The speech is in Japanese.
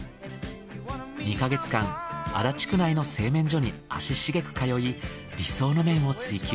２か月間足立区内の製麺所に足しげく通い理想の麺を追求。